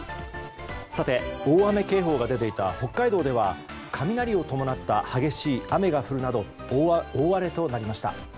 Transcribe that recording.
さて大雨警報が出ていた北海道では雷を伴った激しい雨が降るなど大荒れとなりました。